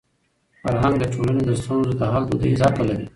فرهنګ د ټولني د ستونزو د حل دودیز عقل لري.